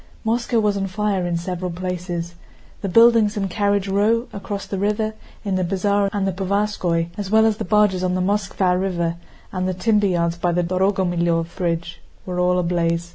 Moscow was on fire in several places. The buildings in Carriage Row, across the river, in the Bazaar and the Povarskóy, as well as the barges on the Moskvá River and the timber yards by the Dorogomílov Bridge, were all ablaze.